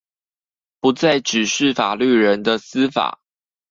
不再只是法律人的司法